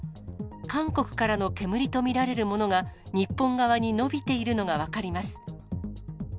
韓国からの煙と見られるものが、日本側に延びているのが分かります。